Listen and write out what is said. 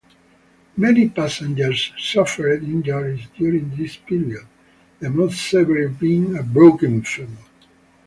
Many passengers suffered injuries during this period, the most severe being a broken femur.